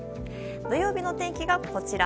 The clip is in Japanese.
土曜日の天気がこちら。